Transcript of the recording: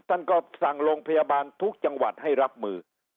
ท่านก็สั่งโรงพยาบาลทุกจังหวัดให้รับมือ